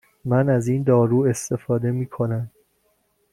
من از این دارو استفاده می کنم.